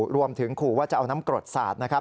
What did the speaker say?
รวมถึงขู่ว่าจะเอาน้ำกรดสาดนะครับ